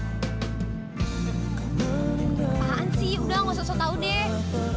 apaan sih udah nggak usah tahu deh